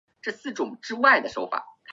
曲目列表